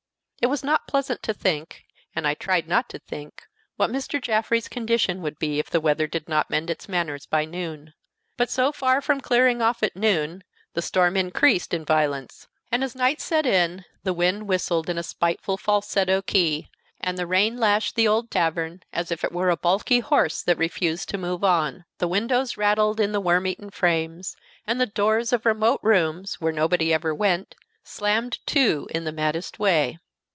It was not pleasant to think, and I tried not to think, what Mr. Jaffrey's condition would be if the weather did not mend its manners by noon; but so far from clearing off at noon, the storm increased in violence, and as night set in, the wind whistled in a spiteful falsetto key, and the rain lashed the old tavern as if it were a balky horse that refused to move on. The windows rattled in the worm eaten frames, and the doors of remote rooms, where nobody ever went, slammed to in the maddest way.